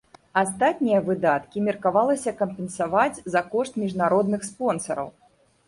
Астатнія выдаткі меркавалася кампенсаваць за кошт міжнародных спонсараў.